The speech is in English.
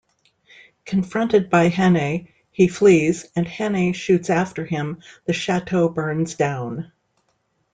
Confronted by Hannay, he flees, and Hannay shoots after him; the chateau burns down.